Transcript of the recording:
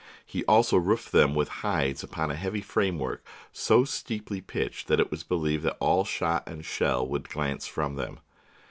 He also roofed them with hides upon a heavy framework so steeply pitched that it was believed all shot and shell would glance from them.